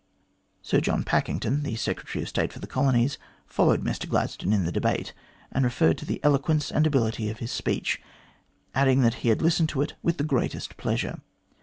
Sir John Pakington, the Secretary of State for the Colonies, followed Mr Gladstone in the debate, and referred to the eloquence and ability of his speech, adding that he had listened to it with the greatest pleasure.